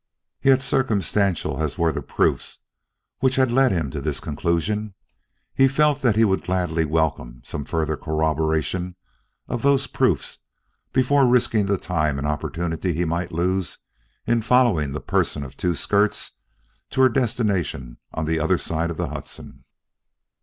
Yet, circumstantial as were the proofs which had led him to this conclusion, he felt that he would gladly welcome some further corroboration of those proofs before risking the time and opportunity he might lose in following the person of two skirts to her destination on the other side of the Hudson.